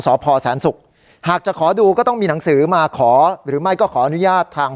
สพแสนศุกร์หากจะขอดูก็ต้องมีหนังสือมาขอหรือไม่ก็ขออนุญาตทาง